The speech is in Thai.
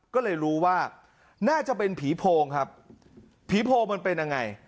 ก็เลยรู้ว่าน่าจะเป็นผีโพงครับผีโพงมันเป็นยังไง